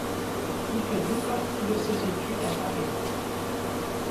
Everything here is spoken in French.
Il fait une partie de ses études à Paris.